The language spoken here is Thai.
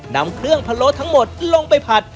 นำเครื่องพะโล้ทั้งหมดลงไปผัด